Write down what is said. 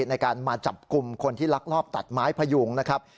ในการมาจับกลุ่มคนที่ลักลอบตัดไม้พยุงนะครับ